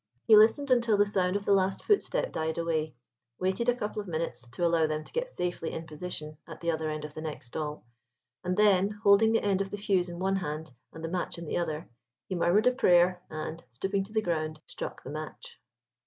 He listened until the sound of the last footstep died away—waited a couple of minutes, to allow them to get safely in position at the other end of the next stall—and then, holding the end of the fuse in one hand and the match in the other, he murmured a prayer, and, stooping to the ground, struck the match.